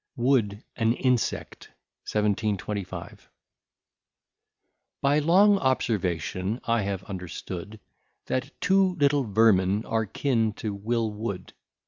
] WOOD AN INSECT. 1725 By long observation I have understood, That two little vermin are kin to Will Wood.